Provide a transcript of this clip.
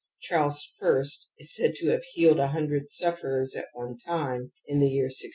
Charles I is said to have healed a hundred sufferers at one time, in the year 1633.